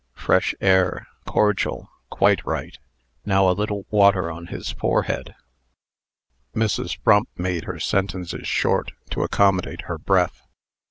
Fresh air. Cordial, Quite right. Now a little water on his forehead." Mrs. Frump made her sentences short, to accommodate her breath.